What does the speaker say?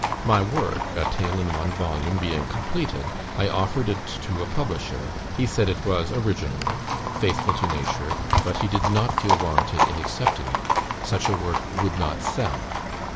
"My work (a tale in one volume) being completed, I offered it to a publisher. He said it was original, faithful to nature, but he did not feel warranted in accepting it; such a work would not sell.